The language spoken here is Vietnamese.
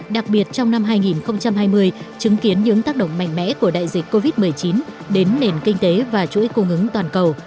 đặc biệt trong năm hai nghìn hai mươi chứng kiến những tác động mạnh mẽ của đại dịch covid một mươi chín đến nền kinh tế và chuỗi cung ứng toàn cầu